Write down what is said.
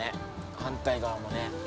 反対側もね。